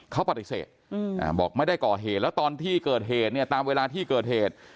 เขาปฏิเสธบอกไม่ได้ก่อเหตุแล้วตอนที่เกิดเหตุเนี่ยตามเวลาที่เกิดเหตุ